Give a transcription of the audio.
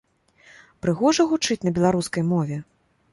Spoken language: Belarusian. Прыгожа гучыць на беларускай мове?